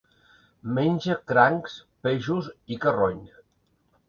Menja crancs, peixos i carronya.